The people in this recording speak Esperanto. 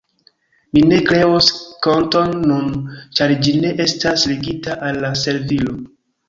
Mi ne kreos konton nun, ĉar ĝi ne estas ligita al la servilo.